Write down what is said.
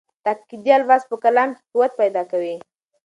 تاکېدي الفاظ په کلام کې قوت پیدا کوي.